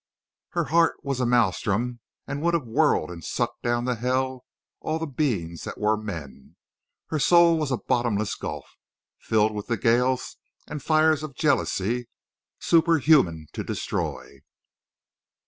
Her heart was a maelstrom and would have whirled and sucked down to hell all the beings that were men. Her soul was a bottomless gulf, filled with the gales and the fires of jealousy, superhuman to destroy.